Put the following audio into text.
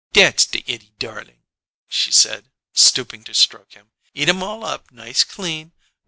"Dat's de 'itty darlin'," she said, stooping to stroke him. "Eat um all up nice clean.